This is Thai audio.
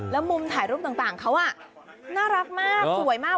แล้วมุมถ่ายรูปต่างเขาน่ารักมากสวยมาก